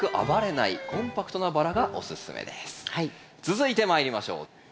続いてまいりましょう。